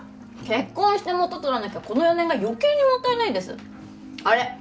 結婚して元取らなきゃこの４年がよけいにもったいないですあれ